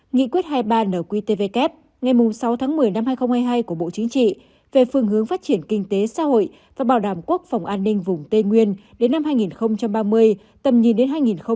nghị quyết hai mươi ba nqtvk ngày sáu tháng một mươi năm hai nghìn hai mươi hai của bộ chính trị về phương hướng phát triển kinh tế xã hội và bảo đảm quốc phòng an ninh vùng tây nguyên đến năm hai nghìn ba mươi tầm nhìn đến hai nghìn bốn mươi năm